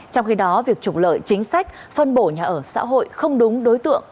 trong khi đó việc trục lợi chính sách phân bổ nhà ở xã hội không đúng đối tượng